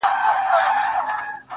• شكر دى چي مينه يې په زړه كـي ده.